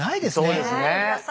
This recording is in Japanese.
そうですね。